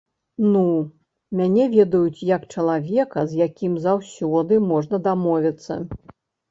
Ну, мяне ведаюць, як чалавека, з якім заўсёды можна дамовіцца.